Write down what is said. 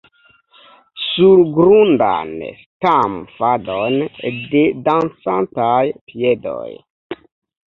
Surgrundan stamfadon de dancantaj piedoj.